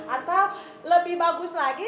atau lebih bagus lagi